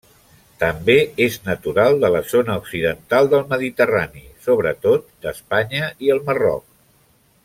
També és natural de la zona occidental del Mediterrani, sobretot d'Espanya i el Marroc.